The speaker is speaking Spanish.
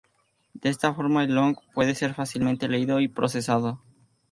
De esta forma, el "log" puede ser fácilmente leído y procesado.